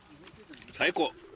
最高！